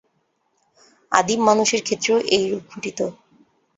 আদিম মানুষের ক্ষেত্রেও এইরূপ ঘটিত।